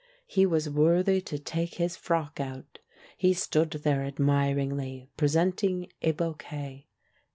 He was worthy to take his frock out. He stood there admiringly, pre senting a bouquet.